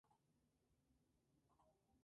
Su nombre proviene del ángel de la muerte Azrael.